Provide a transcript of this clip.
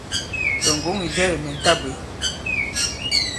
Tɔ̀ ŋgǒŋ ì jɛ kì mɛ̀ ta bwě.».